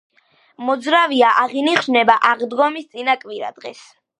მოძრავია, აღინიშნება აღდგომის წინა კვირა დღეს.